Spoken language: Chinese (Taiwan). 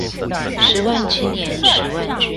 十萬青年十萬軍